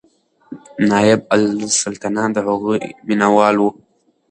نایبالسلطنه د هغې مینهوال و.